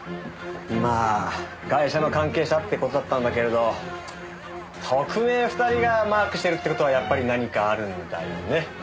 まあガイシャの関係者って事だったんだけれど特命２人がマークしてるって事はやっぱり何かあるんだよね？